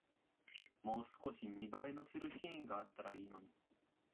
もう少し見栄えのするシーンがあったらいいのに